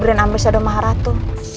dari brand ambrisado maharatu